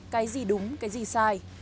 cái gì đúng cái gì sai